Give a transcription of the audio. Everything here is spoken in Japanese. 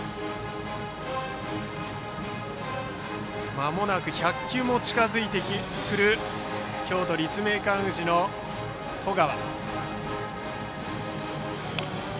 まもなく１００球も近づいてくる京都・立命館宇治の十川。